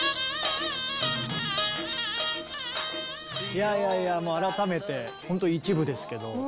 いやいやいやもう改めてほんと一部ですけど。